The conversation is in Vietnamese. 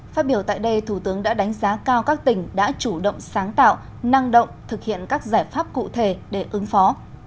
phát biểu tại đây thủ tướng đã đánh giá cao các tỉnh đã chủ động sáng tạo năng động thực hiện các giải pháp cụ thể để ứng phó